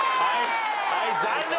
はい残念！